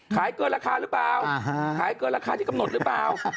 ขายเกินราคาหรือเปล่าขายเกินราคาที่กำหนดหรือเปล่า